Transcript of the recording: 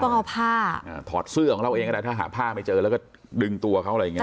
ต้องเอาผ้าถอดเสื้อของเราเองก็ได้ถ้าหาผ้าไม่เจอแล้วก็ดึงตัวเขาอะไรอย่างเง